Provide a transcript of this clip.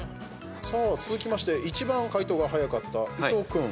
続きまして一番解答が早かった伊藤君。